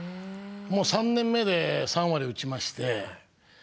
３年目で３割打ちまして。